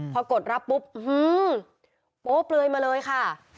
พอกดรับปุ๊บโป๊เปลือยมาเลยค่ะ